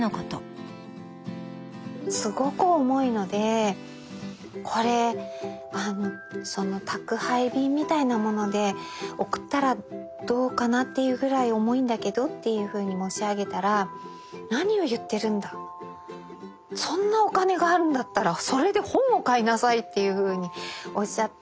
すごく重いのでこれ宅配便みたいなもので送ったらどうかなっていうぐらい重いんだけどっていうふうに申し上げたら何を言っているんだそんなお金があるんだったらそれで本を買いなさいっていうふうにおっしゃって。